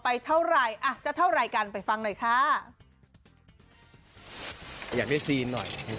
แอบน่าเกลียดไปนิดนึง